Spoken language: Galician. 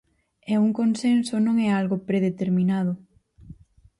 E un consenso non é algo predeterminado.